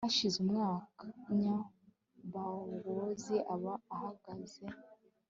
hashize umwanya bowozi aba arahageze